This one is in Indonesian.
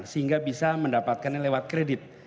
sehingga bisa mendapatkannya lewat kredit